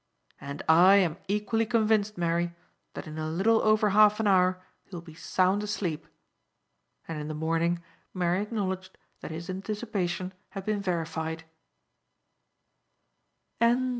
"And I am equally convinced, Mary, that in a little over half an hour you will be sound asleep;" and in the morning Mary acknowledged that his anticipation had been verified.